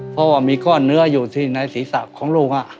เพราะว่ามีก้อนเนื้ออยู่ที่ในศีรษะของลูก